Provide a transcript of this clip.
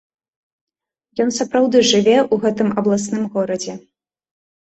Ён сапраўды жыве ў гэтым абласным горадзе.